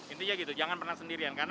intinya gitu jangan pernah sendirian kan